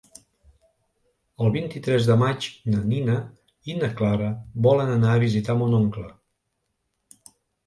El vint-i-tres de maig na Nina i na Clara volen anar a visitar mon oncle.